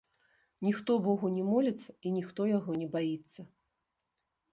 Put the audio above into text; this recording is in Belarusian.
Ніхто богу не моліцца і ніхто яго не баіцца.